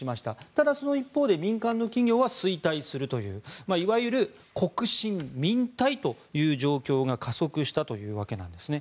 ただ、その一方で民間の企業は衰退するといういわゆる国進民退という状況が加速したというわけなんですね。